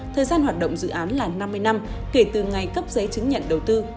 thời gian hoạt động dự án là năm mươi năm kể từ ngày cấp giấy chứng nhận đầu tư